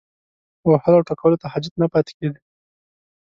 وهلو او ټکولو ته حاجت نه پاتې کېده.